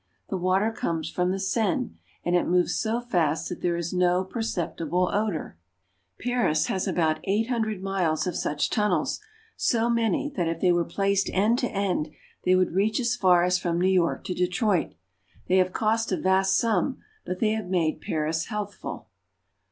The water comes from the Seine, and ij; moves so fast that there is no per ceptible odor. Paris has about eight hundred miles of such tunnels, so many that if they were placed end to end they would reach as far as from New York to Detroit ; they have cost a vast sum, but they have made Paris healthful.